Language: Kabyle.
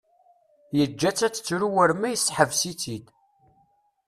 Yeǧǧa-tt ad tettru war ma yesseḥbes-itt-id.